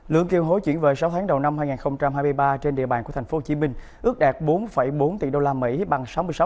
lượng kêu hối chuyển về sáu tháng đầu năm hai nghìn hai mươi ba trên địa bàn của thành phố hồ chí minh ước đạt bốn bốn tỷ đô la mỹ bằng sáu mươi sáu